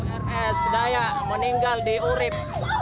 ss daya meninggal di urib